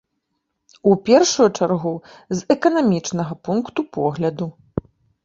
У першую чаргу з эканамічнага пункту погляду.